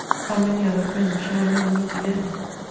How many other friends shall I never meet again